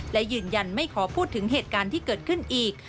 และยืนยันไม่ขอพูดถึงเหตุการณ์ที่เกิดขึ้นอีก